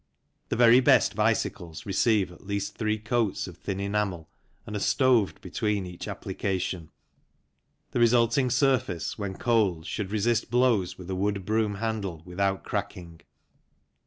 The very best bicycles receive at least three coats of thin enamel and are stoved between each application. The resulting surface, when cold, should resist blows with a wood broom handle without cracking.